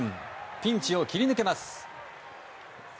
ピンチを切り抜けます。